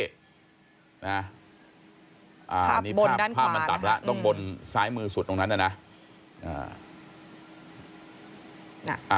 อันนี้ภาพมันตัดแล้วตรงบนซ้ายมือสุดตรงนั้นนะ